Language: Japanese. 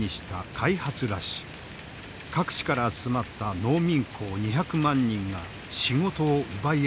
各地から集まった農民工２００万人が仕事を奪い合っていた。